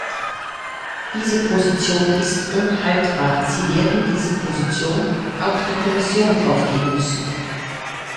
Diese Position ist unhaltbar, sie werden diese Position auch die Kommission aufgeben müssen.